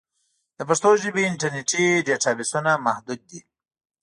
د پښتو ژبې انټرنیټي ډیټابېسونه محدود دي.